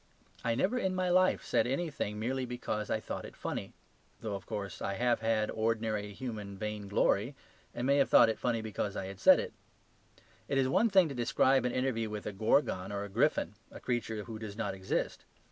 I never in my life said anything merely because I thought it funny; though of course, I have had ordinary human vainglory, and may have thought it funny because I had said it. It is one thing to describe an interview with a gorgon or a griffin, a creature who does not exist.